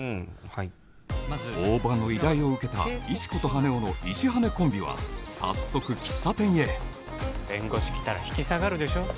はい大庭の依頼を受けた石子と羽男の石羽コンビは早速喫茶店へ弁護士来たら引き下がるでしょ